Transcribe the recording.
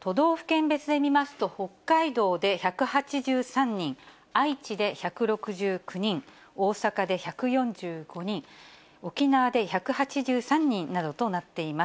都道府県別で見ますと、北海道で１８３人、愛知で１６９人、大阪で１４５人、沖縄で１８３人などとなっています。